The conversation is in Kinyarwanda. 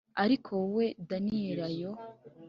Ariko wowe daniyeli ayo